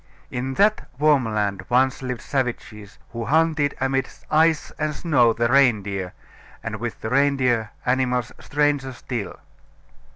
In that warm land once lived savages, who hunted amid ice and snow the reindeer, and with the reindeer animals stranger still.